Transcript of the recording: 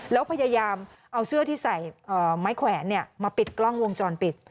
แล้วพยายามเอาเสื้อที่ใส่ไม้แขวนมาปิดกล้องวงจรปิด